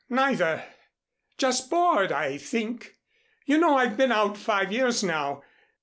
"Neither. Just bored, I think. You know I've been out five years now.